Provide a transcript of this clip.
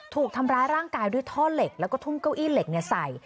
ถูกทำร้ายร่างกายด้วยท่อเหล็กแล้วก็ทุ่มเก้าอี้เหล็กใส่